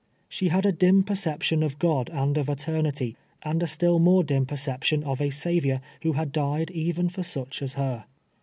She had a dim perception of God and of eternity, and a still more dim perception of a Sav iour who had died even for such as her.